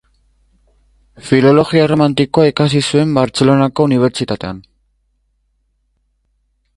Filologia erromanikoa ikasi zuen Bartzelonako Unibertsitatean.